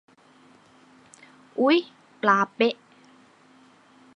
อุ๊ย ปลาเป๊ะ